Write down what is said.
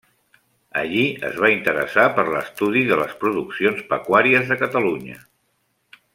Allí es va interessar per l'estudi de les produccions pecuàries de Catalunya.